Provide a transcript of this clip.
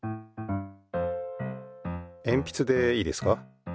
えんぴつでいいですか。